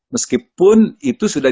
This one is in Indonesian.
meskipun itu sudah